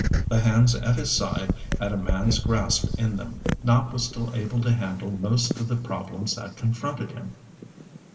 The hands at his side had a man's grasp in them. Nopp was still able to handle most of the problems that confronted him.